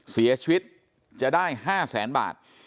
เสียชีวิตจะได้๕แสนบาท